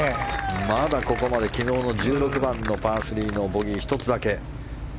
まだここまで１６番のパー３のボギー１つだけ。